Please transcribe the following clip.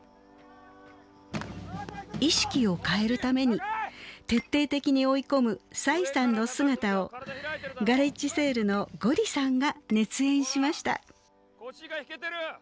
意識を変えるために徹底的に追い込む栽さんの姿をガレッジセールのゴリさんが熱演しました。